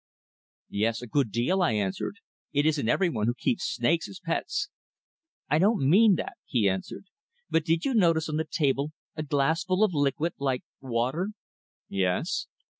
"Yes, a good deal," I answered. "It isn't every one who keeps snakes as pets." "I don't mean that," he answered. "But did you notice on the table a glassful of liquid, like water?" "Yes."